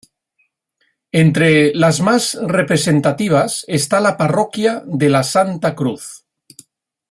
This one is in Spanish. Entre las más representativas está la Parroquia de la Santa Cruz.